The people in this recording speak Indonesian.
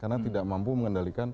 karena tidak mampu mengendalikan